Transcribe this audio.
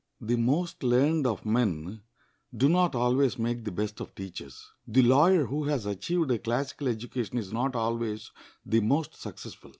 The most learned of men do not always make the best of teachers; the lawyer who has achieved a classical education is not always the most successful.